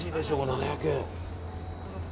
７００円。